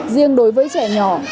riêng đối với trẻ nhỏ